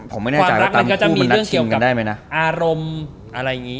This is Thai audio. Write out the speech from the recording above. ความรักมันก็จะมีเรื่องเกี่ยวกับอารมณ์อะไรอย่างนี้